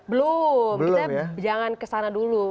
belum kita jangan kesana dulu